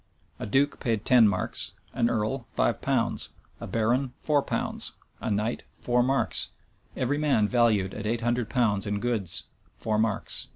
A duke paid ten marks, an earl five pounds, a baron four pounds, a knight four marks; every man valued at eight hundred pounds in goods, four marks.